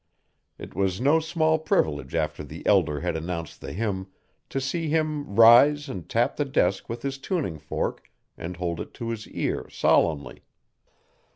It was no small privilege after the elder had announced the hymn, to see him rise and tap the desk with his tuning fork and hold it to his ear solemnly.